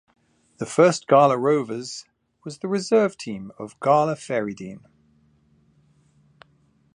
The first Gala Rovers was the reserve team of Gala Fairydean.